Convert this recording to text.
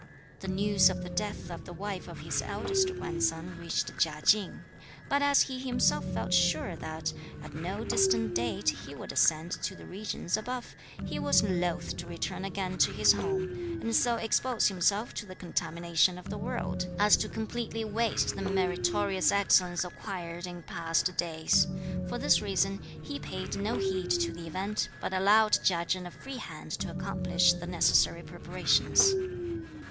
The news of the death of the wife of his eldest grandson reached Chia Ching; but as he himself felt sure that, at no distant date, he would ascend to the regions above, he was loth to return again to his home, and so expose himself to the contamination of the world, as to completely waste the meritorious excellence acquired in past days. For this reason, he paid no heed to the event, but allowed Chia Chen a free hand to accomplish the necessary preparations.